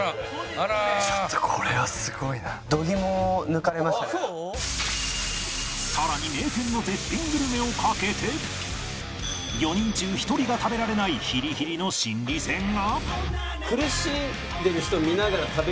ちょっとさらに名店の絶品グルメを賭けて４人中１人が食べられないヒリヒリの心理戦が